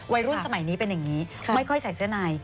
รุ่นสมัยนี้เป็นอย่างนี้ไม่ค่อยใส่เสื้อใน